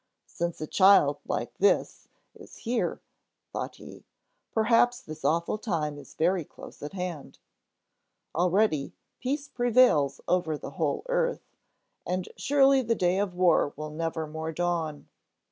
"Since a child like this is here," thought he, "perhaps this awful time is very close at hand. Already, peace prevails over the whole earth; and surely the day of war will nevermore dawn.